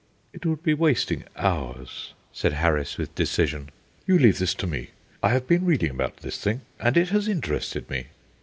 "It would be wasting hours," said Harris, with decision. "You leave this to me. I have been reading about this thing, and it has interested me."